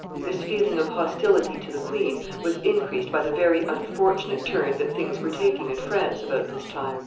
] This feeling of hostility to the queen was increased by the very unfortunate turn that things were taking in France about this time.